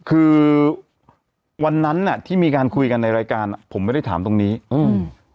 คือวันนั้นอ่ะที่มีการคุยกันในรายการอ่ะผมไม่ได้ถามตรงนี้อืม